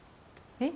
えっ？